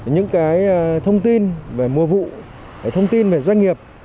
những thông tin về mùa vụ thông tin về doanh nghiệp